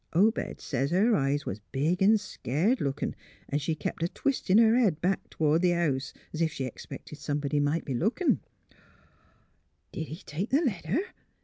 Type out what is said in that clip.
Obed says her eyes was big an' scared lookin', an' she kep' a twistin' her head back toward th' house, 's if she expected somebody might be lookin'." '' Did he take the letter